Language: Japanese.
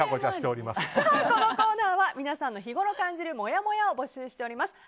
このコーナーは皆さんの日ごろ感じるもやもやを募集しております。